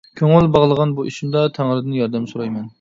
كۆڭۈل باغلىغان بۇ ئىشىمدا تەڭرىدىن ياردەم سورايمەن.